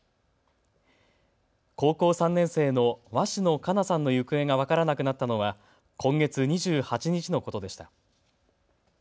高校３年生の鷲野花夏さんの行方が分からなくなったのは今月２８日のことでした。